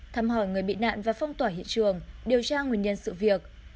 thăm hỏi người bị nạn và phong tỏa hiện trường điều tra nguyên nhân sự việc